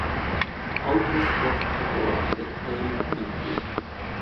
Altro sport popolare è il Bandy.